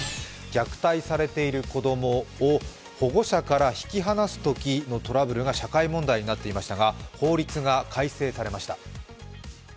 虐待されている子供を保護者から引き離すときのトラブルが社会問題になっていましたが法律が改正されました。